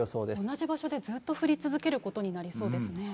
同じ場所でずっと降り続けることになりそうですね。